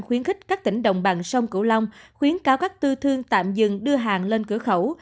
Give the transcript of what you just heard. khuyến khích các tỉnh đồng bằng sông cửu long khuyến cáo các tư thương tạm dừng đưa hàng lên cửa khẩu